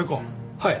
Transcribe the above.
はい。